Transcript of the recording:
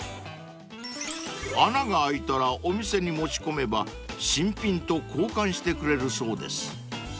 ［穴が開いたらお店に持ち込めば新品と交換してくれるそうです］